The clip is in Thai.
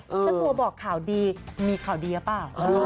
เจ้าตัวบอกข่าวดีมีข่าวดีหรือเปล่า